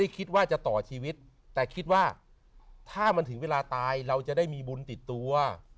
คิดว่าถ้ามันถึงเวลาตายเราจะได้มีบุญติดตัว